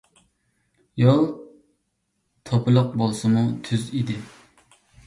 يول توپىلىق بولسىمۇ تۈز ئىدى.